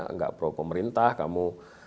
enggak pro pemerintah kamu